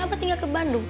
abah tinggal ke bandung